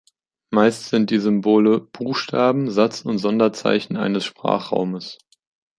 Meist sind die Symbole Buchstaben, Satz- und Sonderzeichen eines Sprachraumes.